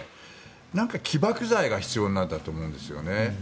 なんか起爆剤が必要なんだと思うんですよね。